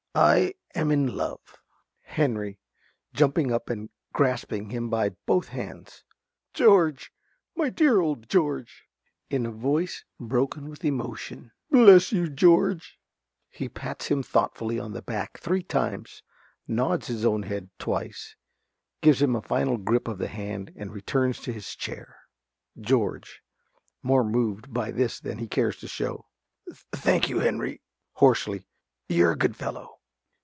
_) I am in love. ~Henry~ (jumping up and grasping him by both hands). George! My dear old George! (In a voice broken with emotion.) Bless you, George! (_He pats him thoughtfully on the back three times, nods his own head twice, gives him a final grip of the hand, and returns to his chair._) ~George~ (more moved by this than he cares to show). Thank you, Henry. (Hoarsely.) You're a good fellow.